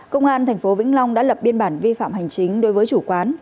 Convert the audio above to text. công an tp vĩnh long đã lập biên bản vi phạm hành chính đối với chủ quán